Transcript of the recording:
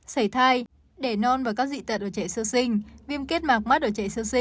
xảy thai đẻ non và các dị tật ở trẻ sơ sinh